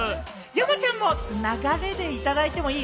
山ちゃんも流れでいただいてもいい？